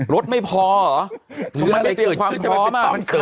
รถไม่พอหรอทำไมไม่เตรียมความพร้อมอะ